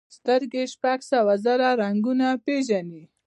سترګې شپږ سوه زره رنګونه پېژني.